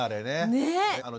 ねえ。